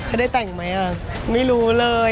ให้ได้แต่งไหมไม่รู้เลย